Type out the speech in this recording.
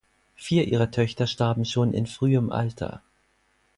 Vier ihrer Töchter starben schon in frühem Alter.